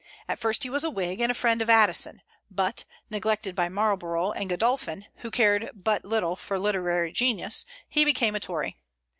At first he was a Whig, and a friend of Addison; but, neglected by Marlborough and Godolphin, who cared but little for literary genius, he became a Tory.